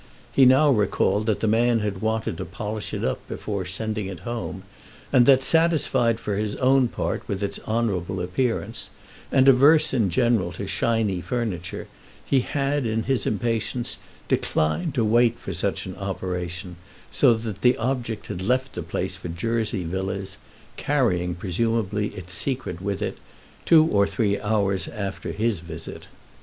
He now recalled that the man had wanted to polish it up before sending it home, and that, satisfied for his own part with its honourable appearance and averse in general to shiny furniture, he had in his impatience declined to wait for such an operation, so that the object had left the place for Jersey Villas, carrying presumably its secret with it, two or three hours after his visit.